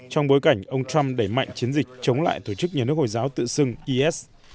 trong bối cảnh ông trump đẩy mạnh chiến dịch chống lại tổ chức nhà nước hồi giáo tự xưng is